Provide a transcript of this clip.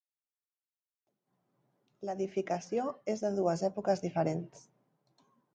L'edificació és de dues èpoques diferents.